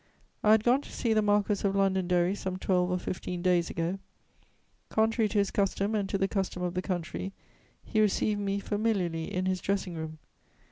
I had gone to see the Marquess of Londonderry, some twelve or fifteen days ago. Contrary to his custom and to the custom of the country, he received me familiarly in his dressing room.